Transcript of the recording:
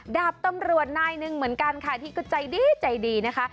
ดาบตำรวจนายหนึ่งเหมือนกันค่ะที่ก็ใจดีใจดีนะคะ